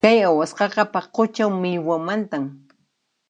Kay awasqaqa paqucha millwamantam.